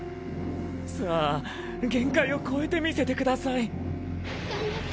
さあ限界を超えてみせてくださいやめて。